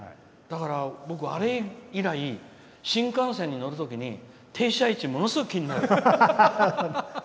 だから、僕、あれ以来新幹線に乗るときに停車位置、ものすごく気になる。